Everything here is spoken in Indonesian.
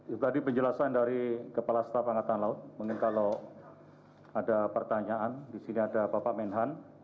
jadi penjelasan dari kepala staf angkatan laut mungkin kalau ada pertanyaan di sini ada bapak menhan